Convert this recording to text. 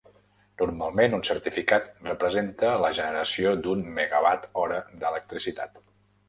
Normalment un certificat representa la generació d'un mega-watt hora d'electricitat.